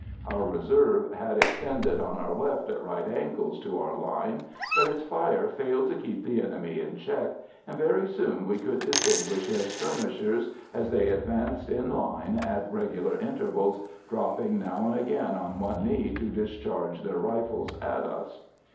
Our reserve had extended on our left, at right angles to our line, but its fire failed to keep the enemy in check, and very soon we could distinguish their skirmishers, as they advanced in line at regular intervals, dropping now and again on one knee to discharge their rifles at us.